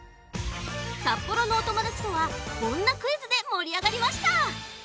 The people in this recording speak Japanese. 札幌のおともだちとはこんなクイズでもりあがりました！